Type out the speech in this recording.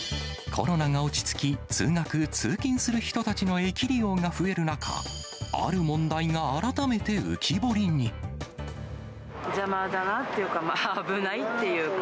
コロナが落ち着き、通学・通勤する人たちの駅利用が増える中、ある問題が改めて浮き邪魔だなっていうか、危ないっていうか。